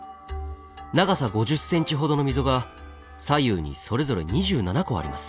長さ５０ｃｍほどの溝が左右にそれぞれ２７個あります。